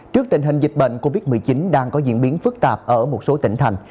trước tình hình dịch bệnh covid một mươi chín đang có diễn biến phức tạp ở một số tỉnh thành